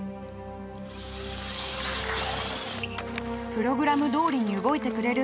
プログラムどおりに動いてくれる。